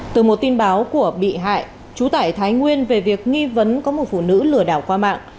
từ một tin báo của bị hại trú tại thái nguyên về việc nghi vấn có một phụ nữ lừa đảo qua mạng